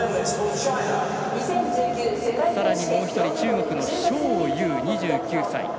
さらにもう１人中国の章勇、２９歳。